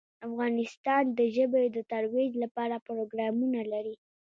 افغانستان د ژبې د ترویج لپاره پروګرامونه لري.